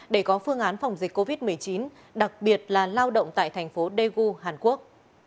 để có phương án phòng dịch covid một mươi chín đặc biệt là lao động tại thành phố daegu hàn quốc